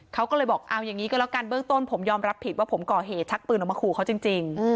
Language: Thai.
เขาก็เลยบอกเอาอย่างนี้ก็แล้วกันเบื้องต้นผมยอมรับผิดว่าผมก่อเหตุชักปืนออกมาขู่เขาจริง